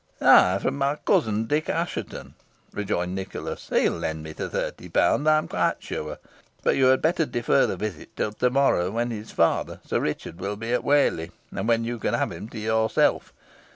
"Ay, from my cousin, Dick Assheton," rejoined Nicholas; "he will lend me the thirty pounds, I am quite sure. But you had better defer the visit till to morrow, when his father, Sir Richard, will be at Whalley, and when you can have him to yourself.